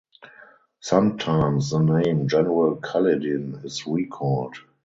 Sometimes the name of General Kaledin is recalled.